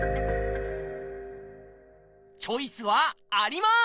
チョイスはあります！